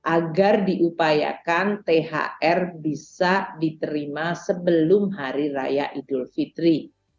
agar diupayakan thr bisa diterima sebelum hari raya idul fitri